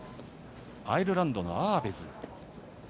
アイルランドのアーベズ。